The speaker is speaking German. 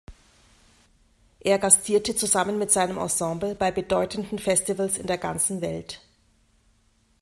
Er gastierte zusammen mit seinem Ensemble bei bedeutenden Festivals in der ganzen Welt.